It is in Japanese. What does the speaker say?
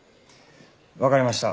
わかりました。